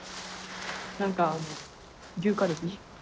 なんかあの牛カルビ。